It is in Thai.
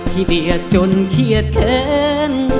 ที่เดียดจนเคียดเค้น